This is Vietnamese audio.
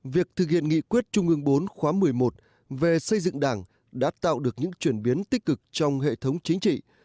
việc thực hiện nghị quyết trung ương bốn khóa một mươi một về xây dựng đảng đã tạo được những chuyển biến tích cực trong hệ thống chính trị